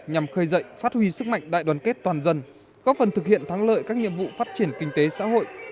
nhằm khơi dậy phát huy sức mạnh đại đoàn kết toàn dân góp phần thực hiện thắng lợi các nhiệm vụ phát triển kinh tế xã hội